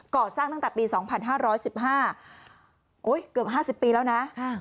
ก่อสร้างตั้งแต่ปี๒๕๑๕เกือบ๕๐ปีแล้วนะ